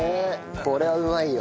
これはうまいよ。